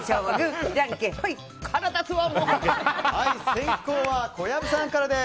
先攻は小籔さんからです。